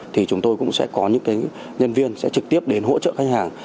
thì chúng tôi cũng sẽ có những nhân viên sẽ trực tiếp đến hỗ trợ khách hàng